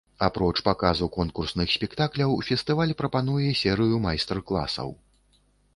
Апроч паказу конкурсных спектакляў, фестываль прапануе серыю майстар-класаў.